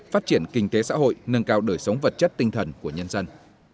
phát triển kinh tế xã hội nâng cao đời sống vật chất tinh thần của nhân dân